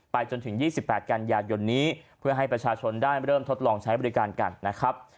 จนถึง๒๘กันยายนนี้เพื่อให้ประชาชนได้เริ่มทดลองใช้บริการกันนะครับ